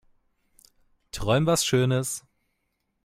Träum was schönes.